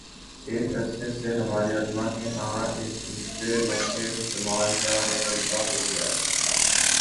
ایک عرصے سے ہمارے علما کے ہاں اس دوسرے موقعِ استعمال کا غلبہ ہو گیا ہے